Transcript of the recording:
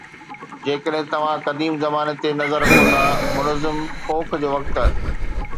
جيڪڏهن توهان قديم زماني تي نظر رکون ٿا، منظم پوک جو وقت